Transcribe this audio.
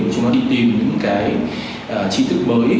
chúng ta đi tìm những cái trí tức mới